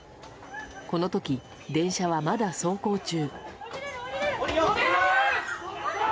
この時、電車はまだ走行中。